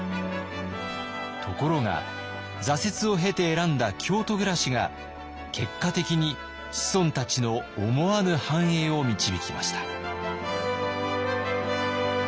ところが挫折を経て選んだ京都暮らしが結果的に子孫たちの思わぬ繁栄を導きました。